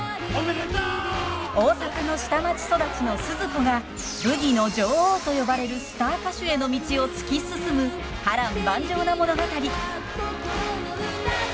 大阪の下町育ちのスズ子がブギの女王と呼ばれるスター歌手への道を突き進む波乱万丈な物語。へいっ！